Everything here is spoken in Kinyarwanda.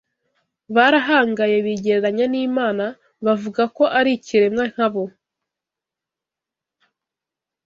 barahangaye bigereranya n’Imana, bavuga ko ari Ikiremwa nka bo